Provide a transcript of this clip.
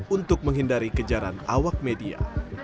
untuk menghindari kejaran awak media